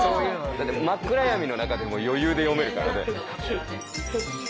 だって真っ暗闇の中でも余裕で読めるからね。